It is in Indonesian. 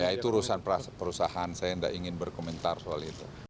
ya itu urusan perusahaan saya tidak ingin berkomentar soal itu